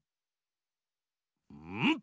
うん！